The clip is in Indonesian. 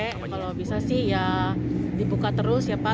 kalau bisa sih ya dibuka terus ya pak